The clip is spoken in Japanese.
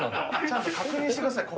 ちゃんと確認してください